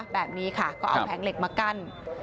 แบบนี้ค่ะก็เอาแผงเหล็กมากั้น